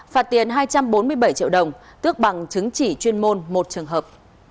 phạt tiền hai trăm bốn mươi bảy triệu đồng tước bằng chứng chỉ chuyên môn một trường hợp